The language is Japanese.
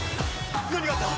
何があった？